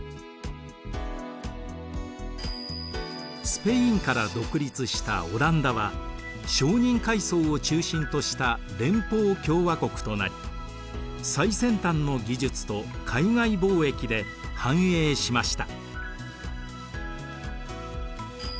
スペインから独立したオランダは商人階層を中心とした連邦共和国となり最先端の技術と海外貿易で繁栄しました。